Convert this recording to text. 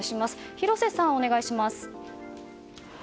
広瀬さん、お願いします。